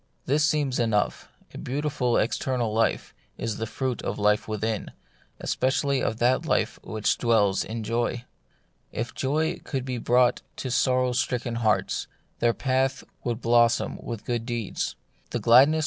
This seems enough : a beautiful external life is the fruit of life within, especially of that life which dwells in joy. If joy could be brought to sorrow stricken hearts, their path would blossom with good deeds ; the gladness within LtfC.